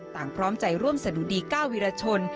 ต่างพร้อมใจร่วมสดุดีก้าววิรชน